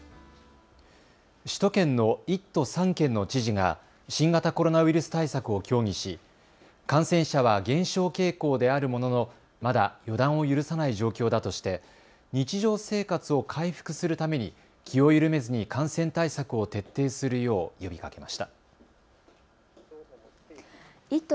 首都圏の１都３県の知事が新型コロナウイルス対策を協議し感染者は減少傾向であるもののまだ予断を許さない状況だとして日常生活を回復するために気を緩めずに感染対策を徹底するよう呼びかけました。